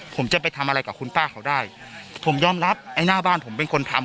ผมจะไปทำอะไรกับคุณป้าเขาได้ผมยอมรับไอ้หน้าบ้านผมเป็นคนทำ